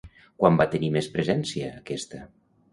Quan va tenir més presència, aquesta?